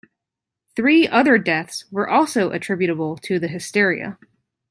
Three other deaths were also attributable to the hysteria.